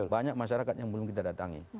banyak masyarakat yang belum kita datangi